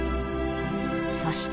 ［そして］